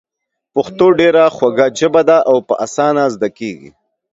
پښتو ډېره خوږه ژبه ده او په اسانه زده کېږي.